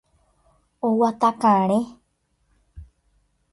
Oguata karẽ.